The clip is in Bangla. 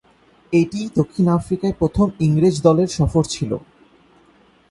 এটিই দক্ষিণ আফ্রিকায় প্রথম ইংরেজ দলের সফর ছিল।